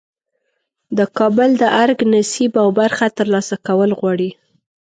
د کابل د ارګ نصیب او برخه ترلاسه کول غواړي.